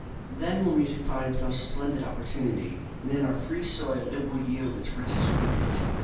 Then will music find its most splendid opportunity, and in our own free soil it will yield its richest fruitage.